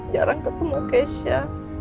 jarang ketemu keisha